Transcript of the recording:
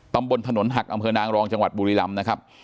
ตำบลถนนหักอำเภอนางรองจังหวัดบุรีรำนะครับ